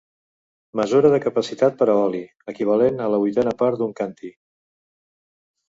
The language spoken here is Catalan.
Mesura de capacitat per a oli, equivalent a la vuitena part d'un càntir.